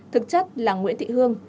thực chất là nguyễn thị hương